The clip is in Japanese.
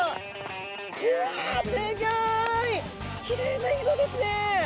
きれいな色ですね！